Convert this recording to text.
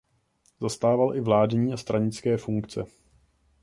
Zastával i vládní a stranické funkce.